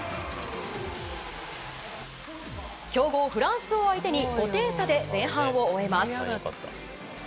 強豪フランスを相手に５点差で前半を終えます。